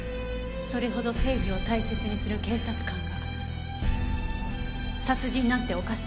それほど正義を大切にする警察官が殺人なんて犯す？